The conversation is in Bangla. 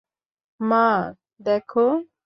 মা, দেখো।